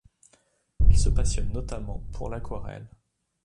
Il se passionne notamment pour l'aquarelle.